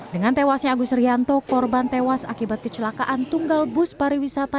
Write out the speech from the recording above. dengan tewasnya agus rianto korban tewas akibat kecelakaan tunggal bus pariwisata